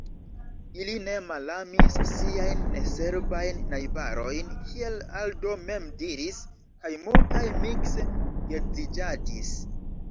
Ili ne malamis siajn neserbajn najbarojn, kiel Aldo mem diris, kaj multaj mikse geedziĝadis.